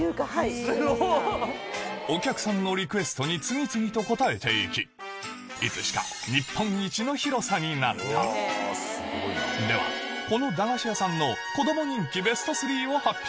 お客さんのリクエストに次々と応えていきいつしかではこの駄菓子屋さんの子ども人気ベスト３を発表